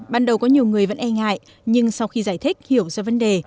ban đầu có nhiều người vẫn e ngại nhưng sau khi giải thích hiểu ra vấn đề